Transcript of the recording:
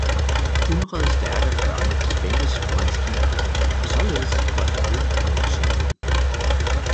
Hundrede stærke ørne spændtes foran skibet, og således fløj han nu mod solen